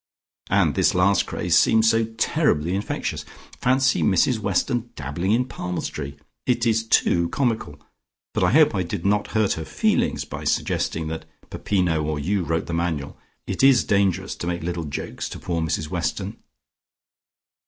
And this last craze seems so terribly infectious. Fancy Mrs Weston dabbling in palmistry! It is too comical, but I hope I did not hurt her feelings by suggesting that Peppino or you wrote the Manual. It is dangerous to make little jokes to poor Mrs Weston."